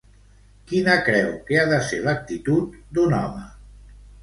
Quina creu que ha de ser l'actitud d'un home?